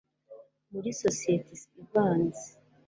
muri sosiyete ivanze